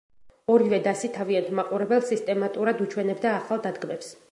ორივე დასი თავიანთ მაყურებელს სისტემატურად უჩვენებდა ახალ დადგმებს.